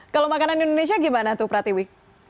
kalau makanan indonesia gimana tuh pratiwi